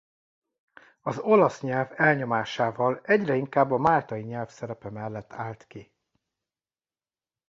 Az olasz nyelv elnyomásával egyre inkább a máltai nyelv szerepe mellett állt ki.